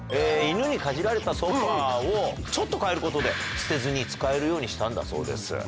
犬にかじられたソファをちょっと変えることで捨てずに使えるようにしたんだそうです。